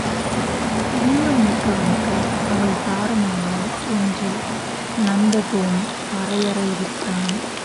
வீரம் மிக்கவனுக்கு அவள் தாரம் ஆவாள் என்று நந்தகோன் பறையறைவித்தான்.